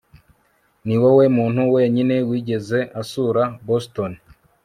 niwowe muntu wenyine wigeze asura boston